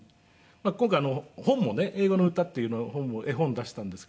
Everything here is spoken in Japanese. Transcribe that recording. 今回本もね『英語のうた』っていう本も絵本出したんですけど。